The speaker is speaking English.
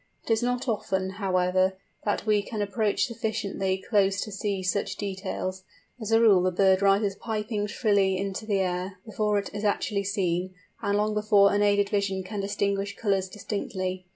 It is not often, however, that we can approach sufficiently close to see such details; as a rule the bird rises piping shrilly into the air, before it is actually seen, and long before unaided vision can distinguish colours distinctly.